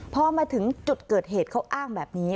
พอมาถึงจุดเกิดเหตุเขาอ้างแบบนี้